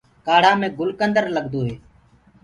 ڪآڙهآ مي گُلڪندر لگدو هي۔